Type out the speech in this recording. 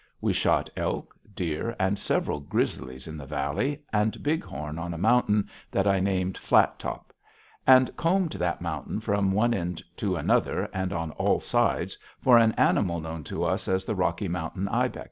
We shot elk, deer, and several grizzlies in the valley, and bighorn on a mountain that I named Flat Top, and combed that mountain from one end to another and on all sides for an animal known to us as the Rocky Mountain ibex.